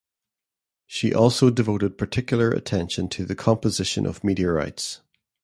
She also devoted particular attention to the composition of meteorites.